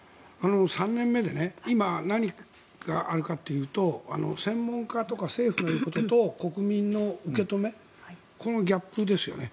３年目で今、何があるかというと専門家とか政府の言うことと国民の受け止めこのギャップですよね。